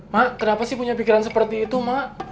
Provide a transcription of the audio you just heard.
mak kenapa sih punya pikiran seperti itu mak